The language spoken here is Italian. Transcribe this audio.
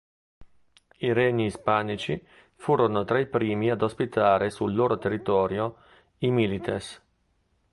I regni ispanici furono tra i primi ad ospitare sul loro territorio i milites.